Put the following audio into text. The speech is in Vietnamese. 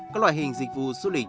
các loại hình dịch vụ du lịch